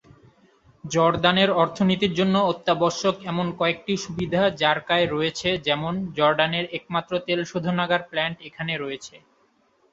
জর্দানের অর্থনীতির জন্য অত্যাবশ্যক এমন কয়েকটি সুবিধা জারকায় রয়েছে, যেমন জর্ডানের একমাত্র তেল শোধনাগার প্ল্যান্ট এখানে রয়েছে।